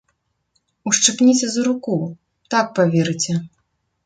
Ушчыпніце за руку, так паверыце.